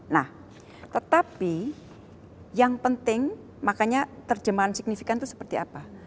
nah tetapi yang penting makanya terjemahan signifikan itu seperti apa